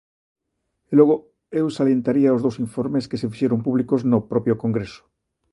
E logo, eu salientaría os dous informes que se fixeron públicos no propio Congreso.